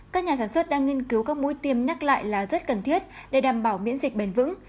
các nhà sản xuất đang nghiên cứu các mũi tiêm nhắc lại là rất cần thiết để đảm bảo miễn dịch bền vững